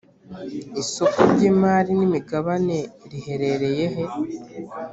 Isoko ry imari n imigabaneriheherereye he